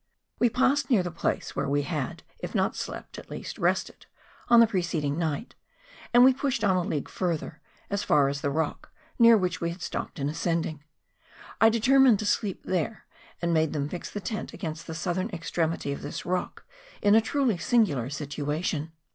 We passed near the place where we had, if not slept, at least rested, on the preceding night; and we pushed on a league further, as far as the rock, near which we had stopped in ascending. I deter¬ mined to sleep there, and made them fix the tent against the southern extremity of this rock in a truly singular situation.